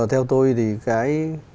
theo tôi thì cái